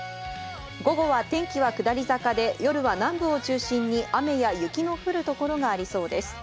午後は天気は下り坂で夜は南部を中心に雨や雪の降る所がありそうです。